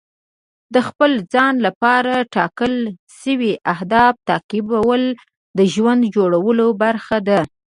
د خپل ځان لپاره ټاکل شوي اهداف تعقیبول د ژوند جوړولو برخه ده.